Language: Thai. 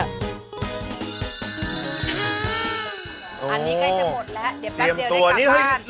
อันนี้ใกล้จะหมดแล้วเดี๋ยวแป๊บเดียวได้กลับบ้าน